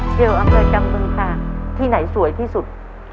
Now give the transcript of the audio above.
เอลอำเภอจำบึงค่ะที่ไหนสวยที่สุด